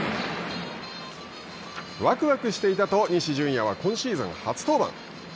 「わくわくしていた」と西純矢は今シーズン初登板。